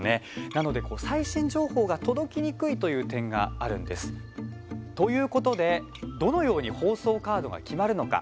なので、最新情報が届きにくいという点があるんです。ということで、どのように放送カードが決まるのか。